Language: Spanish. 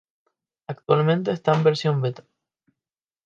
Actualmente esta en versión beta.